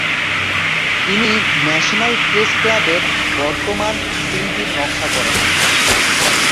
তিনি national press ক্লাবের বর্তমান সীলটির নকশা করেন।